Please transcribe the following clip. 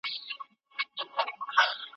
شاګرد په لابراتوار کي ازموینې ترسره کوي.